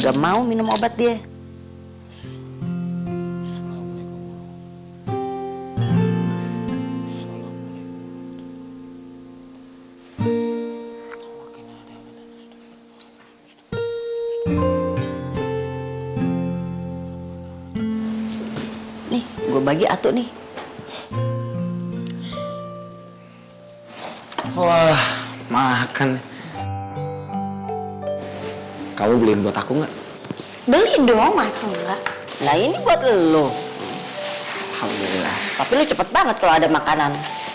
alhamdulillah tapi lu cepet banget kalo ada makanan